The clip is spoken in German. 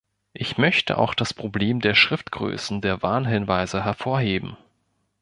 Ich möchte auch das Problem der Schriftgrößen der Warnhinweise hervorheben.